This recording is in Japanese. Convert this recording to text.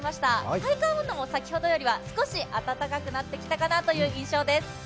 体感温度も先ほどよりは少し温かくなってきたかなという感じです。